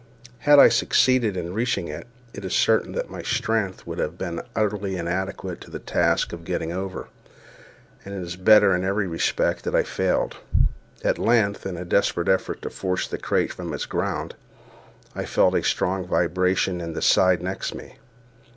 Had I succeeded in reaching it, it is certain that my strength would have proved utterly inadequate to the task of getting over, and it was better in every respect that I failed. At length, in a desperate effort to force the crate from its ground, I felt a strong vibration in the side next me.